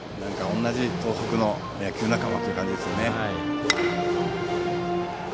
同じ東北の野球仲間という感じですね。